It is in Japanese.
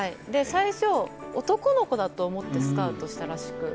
最初男の子かと思ってスカウトしたそうです。